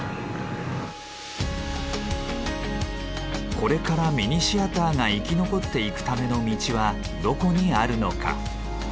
これからミニシアターが生き残っていくための道はどこにあるのか？